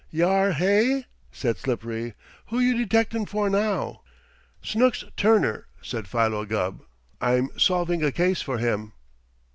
"Yar, hey?" said Slippery. "Who you detectin' for now?" "Snooks Turner," said Philo Gubb. "I'm solving a case for him."